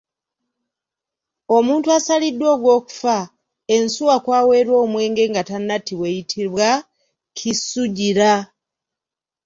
Omuntu asaliddwa ogw’okufa, ensuwa kwaweerwa omwenge nga tannattibwa eyitibwa Kisugira.